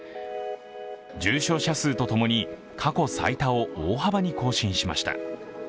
重症者数とともに過去最多を大幅に更新しました。